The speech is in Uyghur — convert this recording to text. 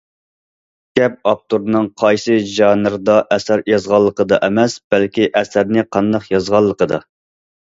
گەپ ئاپتورنىڭ قايسى ژانىردا ئەسەر يازغانلىقىدا ئەمەس، بەلكى ئەسەرنى قانداق يازغانلىقىدا.